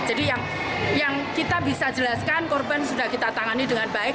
jadi yang kita bisa jelaskan korban sudah kita tangani dengan baik